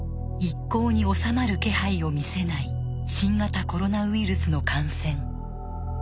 一向に収まる気配を見せない新型コロナウイルスの感染。